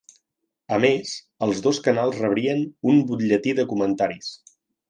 A més, els dos canals rebrien un "butlletí de comentaris".